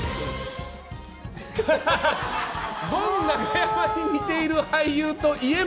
ゴン中山に似ている俳優といえば？